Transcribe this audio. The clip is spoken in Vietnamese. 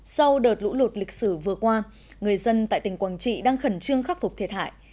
sau đợt lũ lụt lịch sử vừa qua người dân tại tỉnh quảng trị đang khẩn trương khắc phục thiệt hại